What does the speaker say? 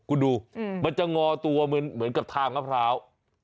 คุณดูมันจะงอตัวเหมือนกับทางมะพร้าว